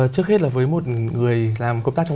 trước hết là với một người làm công tác truyền thống